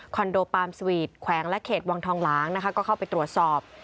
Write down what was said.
คอนโดปาล์มสวีทแขวงและเขตวังทองหลังก็เข้าไปตรวจสอบ